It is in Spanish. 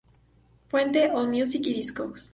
Fuente: Allmusic y Discogs.